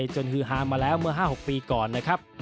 ฮือฮามาแล้วเมื่อ๕๖ปีก่อนนะครับ